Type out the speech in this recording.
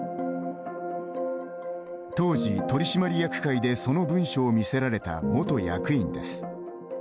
当時、取締役会でその文書を見せられた元役員です。